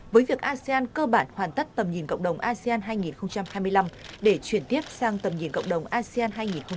với việc asean cơ bản hoàn tất tầm nhìn cộng đồng asean hai nghìn hai mươi năm để chuyển tiếp sang tầm nhìn cộng đồng asean hai nghìn hai mươi năm